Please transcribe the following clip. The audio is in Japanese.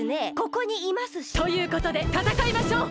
ここにいますし。ということでたたかいましょう！